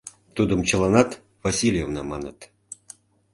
Тудым чыланат Васильевна маныт.